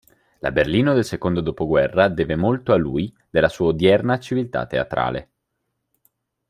La Berlino del secondo dopoguerra deve molto a lui della sua odierna civiltà teatrale.